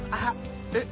えっ？